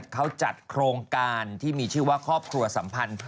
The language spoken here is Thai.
เขาจัดโครงการที่มีชื่อว่าครอบครัวสัมพันธ์